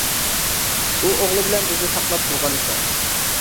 ئۇ ئوغلى بىلەن بىزنى ساقلاپ تۇرغان ئىكەن.